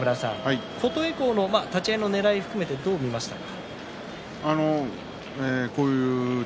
琴恵光の立ち合いのねらいを含めて、どう見ましたか？